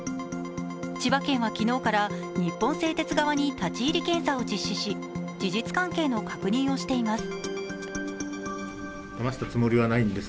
千葉県は昨日から日本製鉄側に立ち入り検査を実施し事実関係の確認をしています。